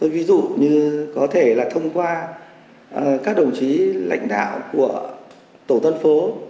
ví dụ như có thể là thông qua các đồng chí lãnh đạo của tổ tân phố